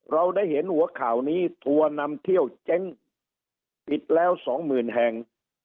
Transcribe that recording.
เราได้เห็นหัวข่าวนี้ทัวร์นำเที่ยวเต๊งปิดแล้ว๒๐๐๐๐แทง